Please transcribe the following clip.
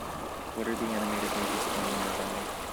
What are the animated movies playing nearby